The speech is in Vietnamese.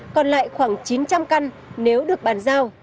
còn lại khoảng chín trăm linh căn nếu được bàn giao